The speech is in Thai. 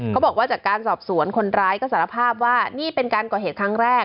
เขาบอกว่าจากการสอบสวนคนร้ายก็สารภาพว่านี่เป็นการก่อเหตุครั้งแรก